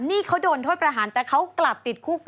นี่เขาโดนโทษประหารแต่เขากลับติดคุก